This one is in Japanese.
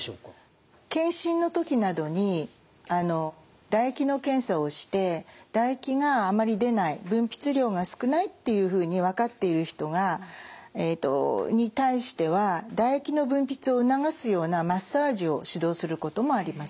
健診の時などに唾液の検査をして唾液があまり出ない分泌量が少ないっていうふうに分かっている人に対しては唾液の分泌を促すようなマッサージを指導することもあります。